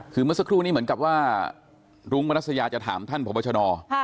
คือเมื่อสักครู่นี้เหมือนกับว่ารุ้งมนัสยาจะถามท่านพบชน